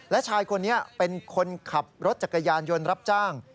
และชายคนนี้เป็นคนขับรถจักรยานยนต์รับจ้าง